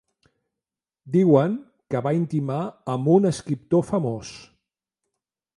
Diuen que va intimar amb un escriptor famós.